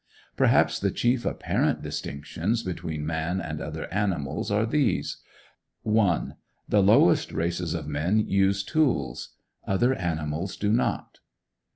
Perhaps the chief apparent distinctions between man and other animals are these: 1. The lowest races of men use tools; other animals do not.